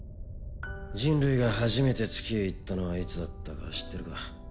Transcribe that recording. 人類が初めて月へ行ったのはいつだったか知ってるか？